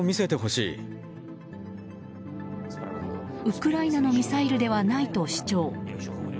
ウクライナのミサイルではないと主張。